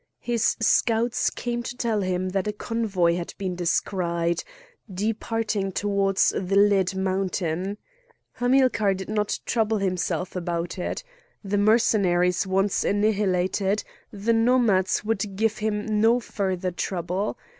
His scouts came to tell him that a convoy had been descried, departing towards the Lead Mountain. Hamilcar did not trouble himself about it. The Mercenaries once annihilated, the Nomads would give him no further trouble.